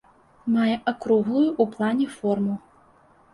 Мае акруглую ў плане форму.